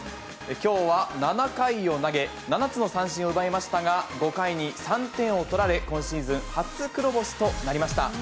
きょうは７回を投げ、７つの三振を奪いましたが、５回に３点を取られ、今シーズン初黒星となりました。